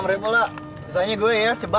misalnya gue ya ceban